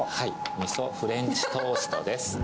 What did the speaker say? みそフレンチトーストです。